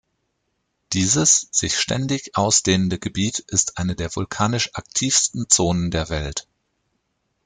Dieses sich ständig ausdehnende Gebiet ist eine der vulkanisch aktivsten Zonen der Welt.